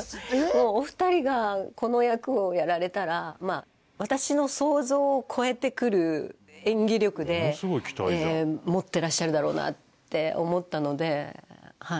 もうお二人がこの役をやられたら私の想像を超えてくる演技力で持ってらっしゃるだろうなって思ったのではい。